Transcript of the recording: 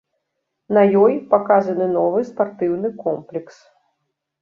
На ёй паказаны новы спартыўны комплекс.